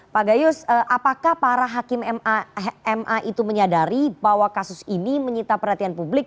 pak gayus apakah para hakim ma itu menyadari bahwa kasus ini menyita perhatian publik